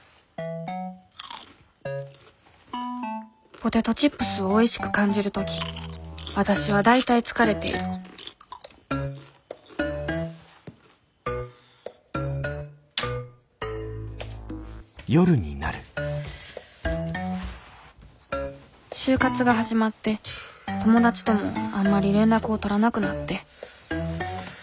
ポテトチップスをおいしく感じる時わたしは大体疲れている就活が始まって友達ともあんまり連絡を取らなくなって。